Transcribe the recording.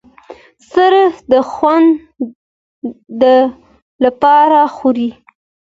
صرف د خوند د پاره خوري